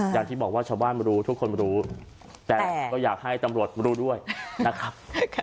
อย่างที่บอกว่าชาวบ้านรู้ทุกคนรู้แต่ก็อยากให้ตำรวจรู้ด้วยนะครับ